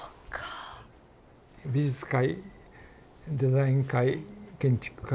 美術界デザイン界建築界